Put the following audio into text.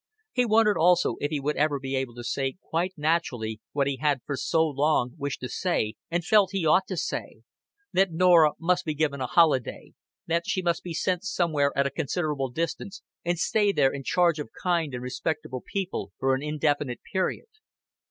He wondered also if he would ever be able to say quite naturally what he had for so long wished to say and felt he ought to say that Norah must be given a holiday, that she must be sent somewhere at a considerable distance and stay there in charge of kind and respectable people for an indefinite period.